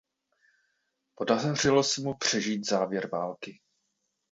Podařilo se mu přežít závěr války.